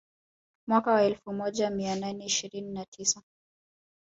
Mwaka wa elfu moja mia nane ishirini na tisa